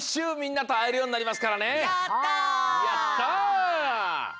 うみんなとあえるようになりますからね。